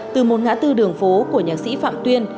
từ một ngã tư đường phố của nhạc sĩ phạm tuyên